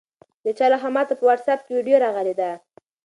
د چا لخوا ماته په واټساپ کې ویډیو راغلې ده؟